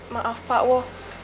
maaf pak wo